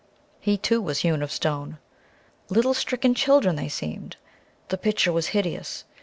He, too, was hewn of stone. Like stricken children they seemed. The picture was hideous.